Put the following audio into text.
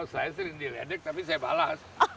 saya sering diledek tapi saya balas